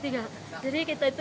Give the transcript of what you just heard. jadi kita itu